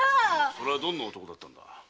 それはどんな男だった？